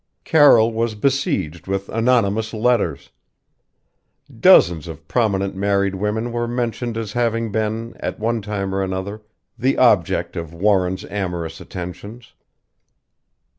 Carroll was besieged with anonymous letters. Dozens of prominent married women were mentioned as having been, at one time or another, the object of Warren's amorous attentions.